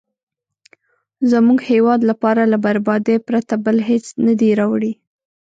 زموږ هیواد لپاره له بربادۍ پرته بل هېڅ نه دي راوړي.